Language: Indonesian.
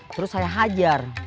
terus saya hajar